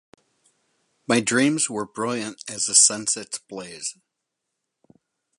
My dreams were brilliant as the sunset's blaze.